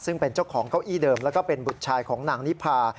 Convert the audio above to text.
ซึ่งเป็นเจ้าของเก้าอี้เดิมแล้วก็เป็นบุตรชายของนางนิพา